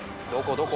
どこ？